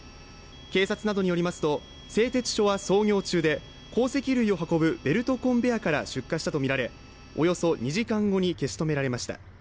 警察などによりますと、製鉄所は操業中で鉱石類を運ぶベルトコンベアから出火したとみられ、およそ２時間後に消し止められました。